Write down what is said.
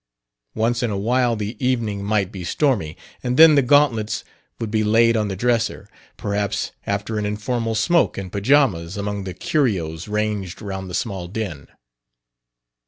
Once in a while the evening might be stormy, and then the gauntlets would be laid on the dresser perhaps after an informal smoke in pajamas among the curios ranged round the small den.